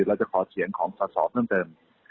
เราจะขอเสียงของสอสอเพิ่มเติม